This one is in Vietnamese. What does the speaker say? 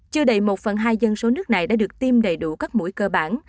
chưa đầy một phần hai dân số nước này đã được tiêm đầy đủ các mũi cơ bản